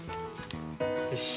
よし。